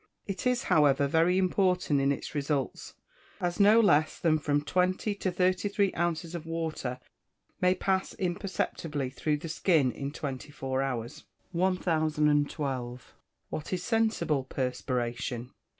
It is, however, very important in its results, as no less than from twenty to thirty three ounces of water may pass imperceptibly through the skin in twenty four hours. 1012. _What is sensible perspiration?